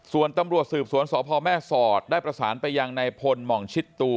ส่วนตำรวจสืบสวนสพแม่สอดได้ประสานไปยังในพลหม่องชิดตู